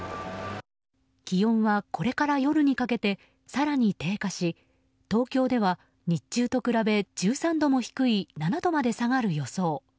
気温は、これから夜にかけて更に低下し東京では日中と比べ１３度も低い７度まで下がる予想。